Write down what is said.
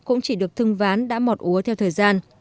cũng chỉ được thưng ván đã mọt úa theo thời gian